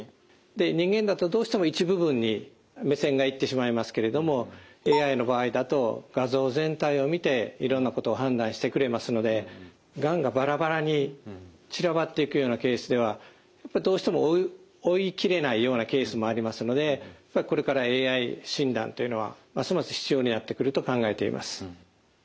人間だとどうしても一部分に目線がいってしまいますけれどもＡＩの場合だと画像全体を見ていろんなことを判断してくれますのでがんがバラバラに散らばっていくようなケースではどうしても追い切れないようなケースもありますのでこれからＡＩ診断というのはますます必要になってくると考えています。